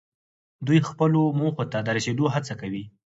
دوی خپلو موخو ته د رسیدو هڅه کوي.